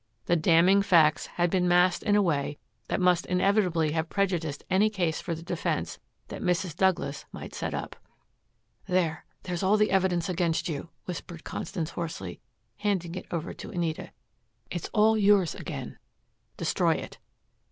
The damning facts had been massed in a way that must inevitably have prejudiced any case for the defense that Mrs. Douglas might set up. "There there's all the evidence against you," whispered Constance hoarsely, handing it over to Anita. "It's all yours again. Destroy it."